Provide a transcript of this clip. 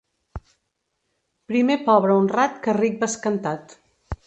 Primer pobre honrat que ric bescantat.